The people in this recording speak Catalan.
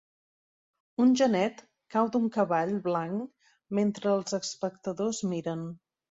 Un genet cau d'un cavall blanc mentre els espectadors miren.